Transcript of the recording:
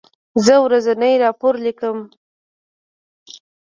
زه ورځنی راپور لیکم.